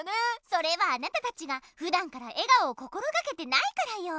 それはあなたたちがふだんから笑顔を心がけてないからよ。